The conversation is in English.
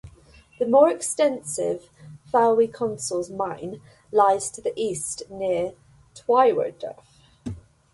The more extensive Fowey Consols mine lies to the east near Tywardreath.